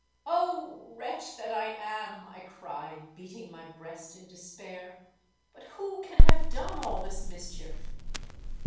'—'Oh! wretch that I am!' I cried, beating my breast in despair. 'But who can have done all this mischief?'